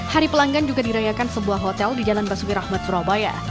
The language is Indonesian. hari pelanggan juga dirayakan sebuah hotel di jalan basuki rahmat surabaya